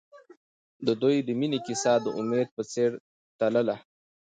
د دوی د مینې کیسه د امید په څېر تلله.